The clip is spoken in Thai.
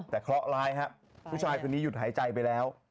แต่เคราะห์ร้ายครับผู้ชายคนนี้หยุดหายใจไปแล้ว